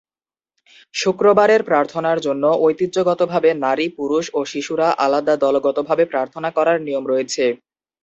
শুক্রবারের প্রার্থনার জন্য ঐতিহ্যগতভাবে নারী, পুরুষ ও শিশুরা আলাদা দলগত ভাবে প্রার্থনা করার নিয়ম রয়েছে।